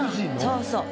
そうそう。